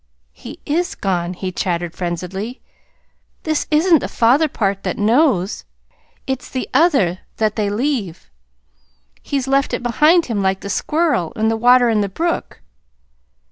He is gone," he chattered frenziedly. "This isn't the father part that KNOWS. It's the other that they leave. He's left it behind him like the squirrel, and the water in the brook."